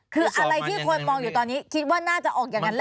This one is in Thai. คืออะไรที่คนมองอยู่ตอนนี้คิดว่าน่าจะออกอย่างนั้นแหละ